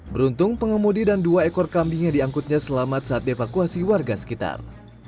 beruntung pengemudi dan dua ekor kambing yang diangkutnya selamat saat dievakuasi warga sekitar